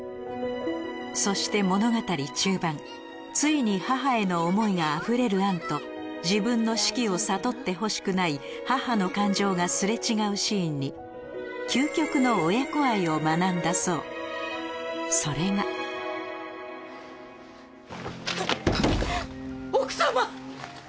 そして物語中盤ついに母への思いがあふれるアンと自分の死期を悟ってほしくない母の感情が擦れ違うシーンに究極の親子愛を学んだそうそれが・奥様！